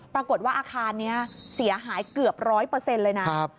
ปรากฏว่าอาคารนี้เสียหายเกือบร้อยเปอร์เซ็นต์เลยนะ